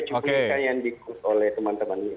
cukupnya yang dikut oleh teman teman ini